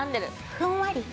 ふんわり。